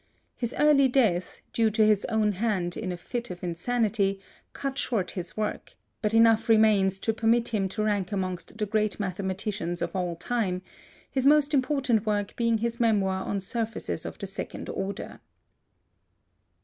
His early death, due to his own hand in a fit of insanity, cut short his work, but enough remains to permit him to rank amongst the great mathematicians of all time, his most important work being his memoir on surfaces of the second order.